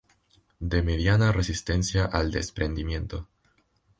De mediana resistencia al desprendimiento.